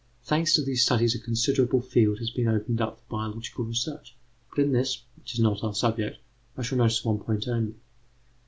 ] Thanks to these studies, a considerable field has been opened up for biological research, but in this, which is not our subject, I shall notice one point only.